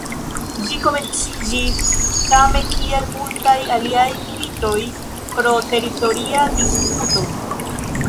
Ĝi komenciĝis same kiel multaj aliaj militoj, pro teritoria disputo.